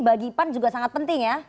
bagi pan juga sangat penting ya